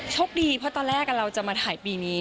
โชคดีเพราะตอนแรกเราจะมาถ่ายปีนี้